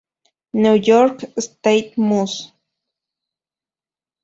New York State Mus.